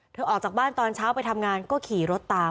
ออกจากบ้านตอนเช้าไปทำงานก็ขี่รถตาม